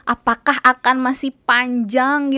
apakah akan masih panjang